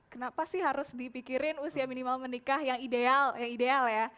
kenapa sih harus dipikirin usia minimal menikah yang ideal ya